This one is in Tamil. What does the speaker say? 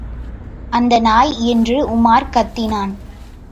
அந்த நாய்! என்று உமார் கத்தினான்.